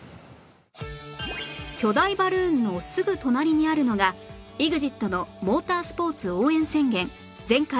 巨大バルーンのすぐ隣にあるのが ＥＸＩＴ のモータースポーツ応援宣言全開！！